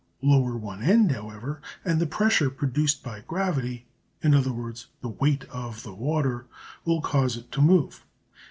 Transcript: Lower one end, however, and the pressure produced by gravity in other words, the weight of the water will cause it to move.